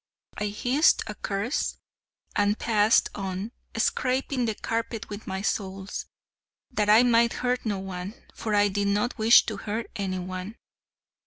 I hissed a curse, and passed on, scraping the carpet with my soles, that I might hurt no one: for I did not wish to hurt any one.